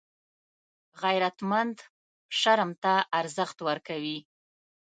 غیرتمند شرم ته ارزښت ورکوي